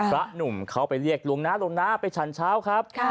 พระหนุ่มเขาไปเรียกหลวงนาหลวงนาไปฉันเช้าครับ